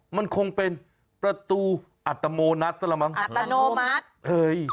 มันคงเป็นประตูอัตโนมัติ